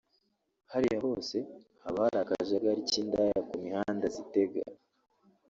Hariya hose haba hari akajagari k’indaya ku mihanda zitega